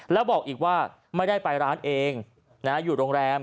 แล้วบอกอีกว่าไม่ได้ไปร้านเองอยู่โรงแรม